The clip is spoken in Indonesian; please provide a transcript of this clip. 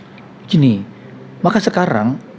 begini maka sekarang